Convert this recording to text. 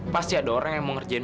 pasti ada orang yang mau ngerjain